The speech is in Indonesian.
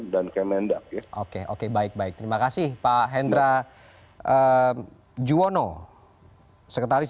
dan kemendak oke oke baik baik terima kasih pak hendra juwono sekretaris